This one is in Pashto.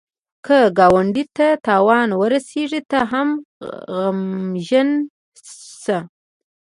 که ګاونډي ته تاوان ورسېږي، ته هم غمژن شه